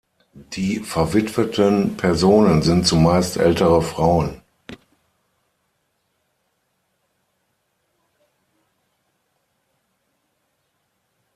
Die verwitweten Personen sind zumeist ältere Frauen.